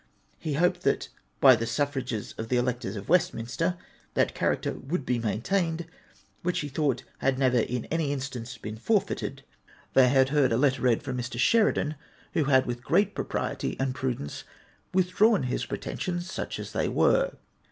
He hoped that by the suffrages of the electors of Westminster, that character would be maintained which he thought had never in any instance been forfeited. They had heard a letter read from Mr. Sheridan, who had with great propriety and prudence withdrawn his pretensions, such as they were.